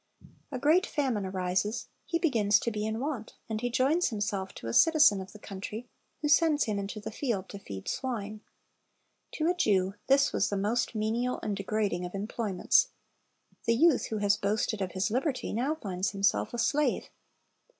A great famine arises, he begins to be in want, and he joins himself to a citizen of the country, who sends him into the field to feed swine. To a Jew this was the most menial and degrading of employments. The youth who has boasted of his liberty, now finds himself a slave.